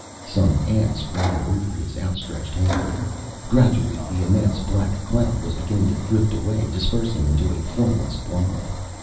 Some ants ran over his outstretched hand. Gradually, the immense black cloud was beginning to drift away, dispersing into a formless blob.